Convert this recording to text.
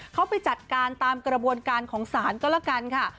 เขาไปจัดการตามกระบวนการของศาลก็แล้วกันค่ะ